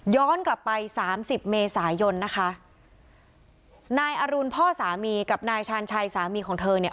กลับไปสามสิบเมษายนนะคะนายอรุณพ่อสามีกับนายชาญชัยสามีของเธอเนี่ย